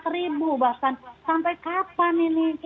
sebelas ribu bahkan